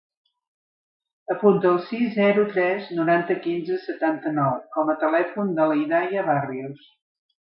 Apunta el sis, zero, tres, noranta, quinze, setanta-nou com a telèfon de la Hidaya Barrios.